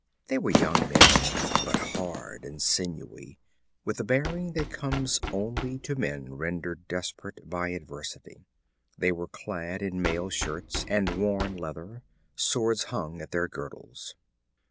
They were young men, but hard and sinewy, with a bearing that comes only to men rendered desperate by adversity. They were clad in mail shirts and worn leather; swords hung at their girdles.